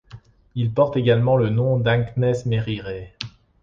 Elle porte également le nom d'Ânkhnesmérirê.